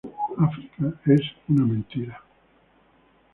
África es una mentira.